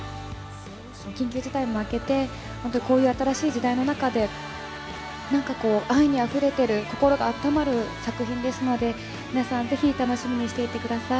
緊急事態も明けて、本当にこういう新しい時代の中で、なんかこう、愛にあふれてる、心があったまる作品ですので、皆さん、ぜひ楽しみにしていてください。